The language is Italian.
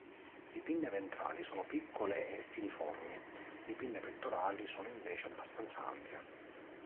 Le pinne ventrali sono piccole e filiformi; le pinne pettorali sono invece abbastanza ampie.